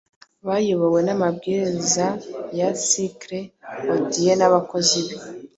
bayobowe n'amabwiriza ya Circe, Odyeu n'abakozi be